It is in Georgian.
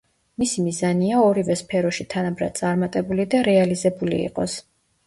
მისი მიზანია, ორივე სფეროში თანაბრად წარმატებული და რეალიზებული იყოს.